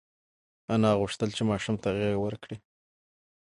انا غوښتل چې ماشوم ته غېږه ورکړي.